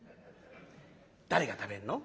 「誰が食べるの？」。